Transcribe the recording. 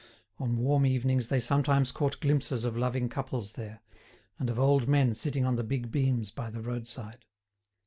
On warm evenings they sometimes caught glimpses of loving couples there, and of old men sitting on the big beams by the roadside.